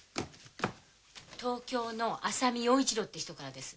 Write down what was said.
東京の浅見陽一郎って人からです。